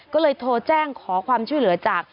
ก็เลยโทรแจ้งขอความช่วยเหลือจาก